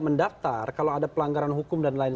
mendaftar kalau ada pelanggaran hukum dan lain